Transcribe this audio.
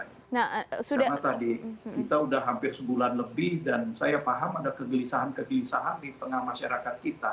karena tadi kita sudah hampir sebulan lebih dan saya paham ada kegelisahan kegelisahan di tengah masyarakat kita